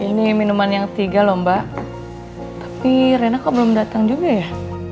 hai bu ini tehnya ini minuman yang tiga lomba tapi rena kau belum datang juga ya